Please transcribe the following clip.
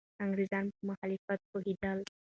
انګریزان په مخالفت پوهېدل.